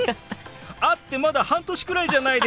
会ってまだ半年くらいじゃないですか。